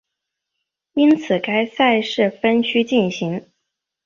因此该赛事分区进行。